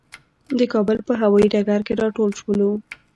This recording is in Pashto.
د کابل په هوايي ډګر کې راټول شولو.